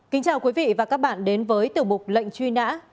kính chào quý vị và các bạn đến với tiểu mục lệnh truy nã